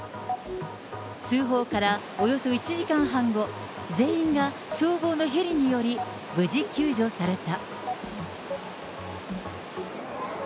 通報からおよそ１時間半後、全員が消防のヘリにより無事、救助された。